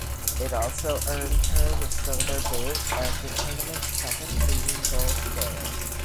It also earned her the Silver Boot as the tournament's second leading goal scorer.